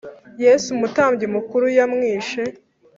Yesu umutambyi mukuru yamwishe